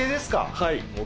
はい。